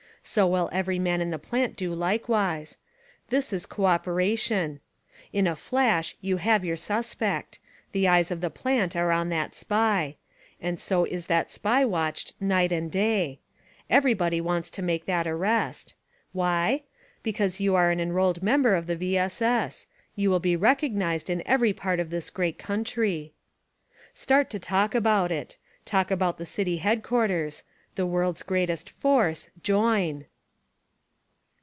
So will every man in the plant do likewise. This is co operation. In a flash you have 3^our suspect ; the eyes of the plant are on that SPY. And so is that SPY watched nigiht and day. Everybody wants to make that arrest. Why?^ Because you are an enrolled member of the V. S. S. You will be recog nized in every part of this great country. Start to talk about it. Ask about the city headquarters. The world's greatest force— JOIN